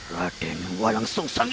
raden walang suncak